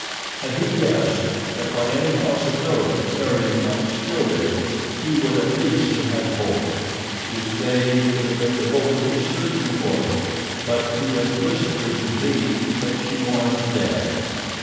Had he guessed that by any possibility Meriem might still live he would at least have had hope. His days could have been devoted to searching for her; but he implicitly believed that she was dead.